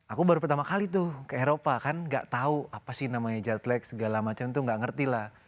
aku baru pertama kali tuh ke eropa kan gak tau apa sih namanya jetlake segala macam tuh gak ngerti lah